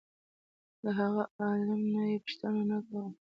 د هغه عالم نه یې پوښتنه نه کوله.